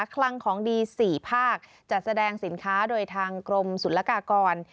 คลังของดี๔ภาคจัดแสดงสินค้าโดยทางกรมศุลกากร